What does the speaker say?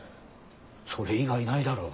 それ以外ないだろ。